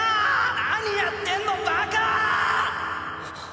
何やってんのバカ！